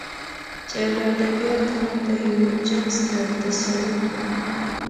چې له ادبياتو نه د يوه جنس د تسلط نه